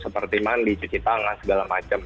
seperti mandi cuci tangan segala macam